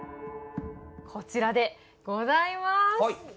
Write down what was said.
こちらでございます。